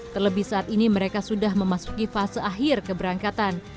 terlebih saat ini mereka sudah memasuki fase akhir keberangkatan